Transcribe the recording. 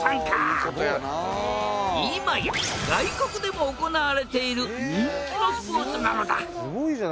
今や外国でも行われている人気のスポーツなのだ。